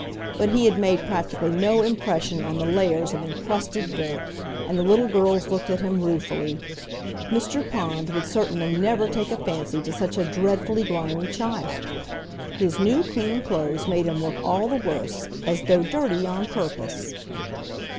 But he had made practically no impression on the layers of encrusted dirt, and the little girls looked at him ruefully. Mr. Pond would certainly never take a fancy to such a dreadfully grimy child! His new, clean clothes made him look all the worse, as though dirty on purpose!